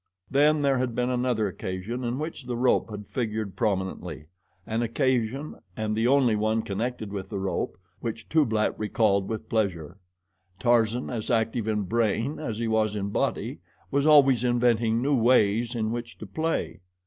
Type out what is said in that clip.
Then there had been another occasion in which the rope had figured prominently an occasion, and the only one connected with the rope, which Tublat recalled with pleasure. Tarzan, as active in brain as he was in body, was always inventing new ways in which to play.